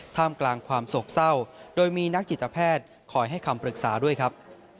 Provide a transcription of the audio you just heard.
ท่ามกลางความโศกเศร้าโดยมีนักจิตแพทย์คอยให้คำปรึกษาด้วยครับ